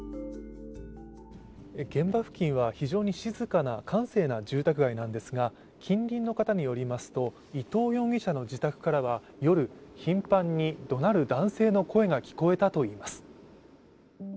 現場付近は非常に静かな閑静な住宅街なんですが、近隣の方によりますと、伊藤容疑者の自宅からは夜、頻繁にどなる男性の声が聞こえたといいます。